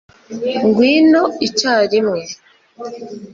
ngwino icyarimwe